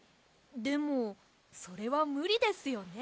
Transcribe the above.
でもそれはむりですよね。